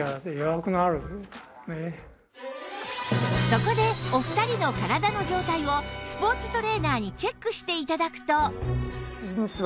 そこでお二人の体の状態をスポーツトレーナーにチェックして頂くと